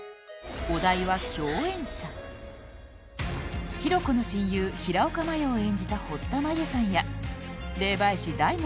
お題は共演者比呂子の親友平丘麻耶を演じた堀田真由さんや霊媒師大門